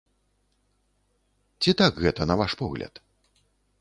Ці так гэта, на ваш погляд?